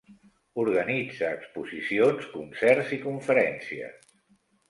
Organitza exposicions, concerts i conferències.